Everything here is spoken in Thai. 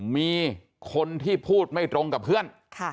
มีคนที่พูดไม่ตรงกับเพื่อน